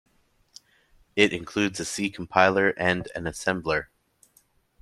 It includes a C compiler and an assembler.